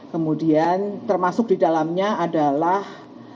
kemudian termasuk di dalamnya adalah